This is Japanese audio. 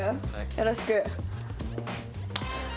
よろしく。